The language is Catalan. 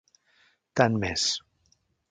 Tant m'és.